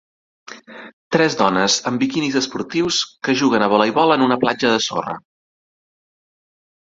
Tres dones amb biquinis esportius que juguen a voleibol en una platja de sorra.